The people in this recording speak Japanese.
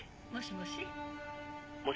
☎もしもし？